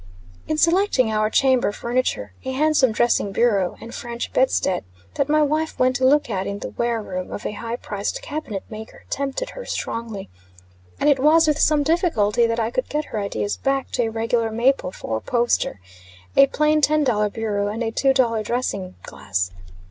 In selecting our chamber furniture, a handsome dressing bureau and French bedstead that my wife went to look at in the ware room of a high priced cabinet maker, tempted her strongly, and it was with some difficulty that I could get her ideas back to a regular maple four poster, a plain, ten dollar bureau, and a two dollar dressing glass.